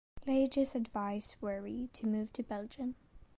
Lages advised Wery to move to Belgium.